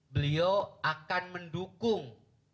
beliau akan mendukung